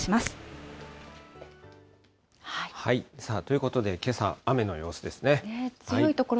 さあ、ということで、けさ、雨の様子ですね。